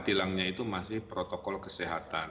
tilangnya itu masih protokol kesehatan